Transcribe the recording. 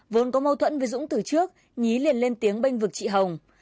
vốn có mâu thuẫn với dũng từ trước nhí liền lên tiếng bênh vực chị hồng